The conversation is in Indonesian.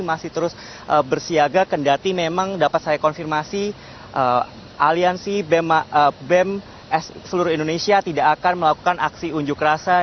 masih terus bersiaga kendati memang dapat saya konfirmasi aliansi bem seluruh indonesia tidak akan melakukan aksi unjuk rasa